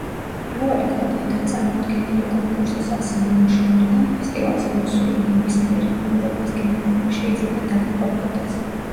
მრავალი ქვეყნიდან წარმოდგენილი კონკურსის ასი ნამუშევრიდან ფესტივალზე მოსული ნებისმიერი მაყურებლის გემოვნება შეიძლება დაკმაყოფილდეს.